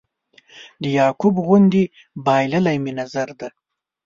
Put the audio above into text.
د یعقوب غوندې بایللی مې نظر دی